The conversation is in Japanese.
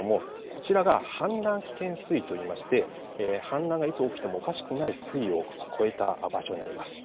こちらが氾濫危険水位といいまして氾濫がいつ起きてもおかしくない水位を超えた場所になります。